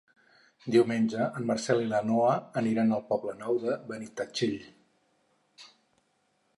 Diumenge en Marcel i na Noa aniran al Poble Nou de Benitatxell.